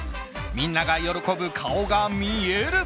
みんなが喜ぶ顔が見える！